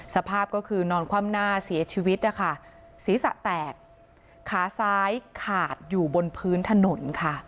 สภาพก็คือนอนคว่ำหน้าเสียชีวิตนะคะศีรษะแตกขาซ้ายขาดอยู่บนพื้นถนนค่ะ